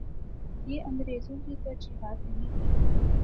یہ انگریزوں کی ترجیحات نہیں تھیں۔